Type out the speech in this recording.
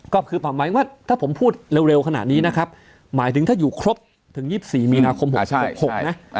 ก็คือหมายว่าถ้าผมพูดเร็วขนาดนี้นะครับหมายถึงถ้าอยู่ครบถึง๒๔มีนาคม๖๖นะ